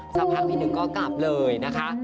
สักพักพี่หนึ่งก็กลับเลยนะคะ